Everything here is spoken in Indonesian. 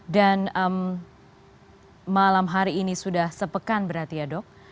dan malam hari ini sudah sepekan berarti ya dok